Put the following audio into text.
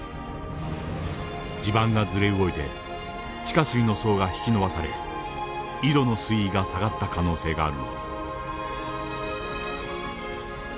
地盤がずれ動いて地下水の層が引き伸ばされ井戸の水位が下がった可能性があるのです。